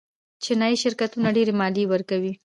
چینايي شرکتونه ډېرې مالیې ورکوي.